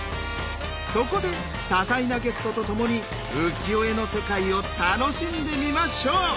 そこで多彩なゲストとともに浮世絵の世界を楽しんでみましょう！